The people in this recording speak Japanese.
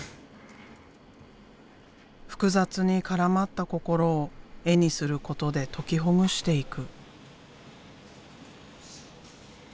複雑に絡まった心を絵にすることで解きほぐしていく。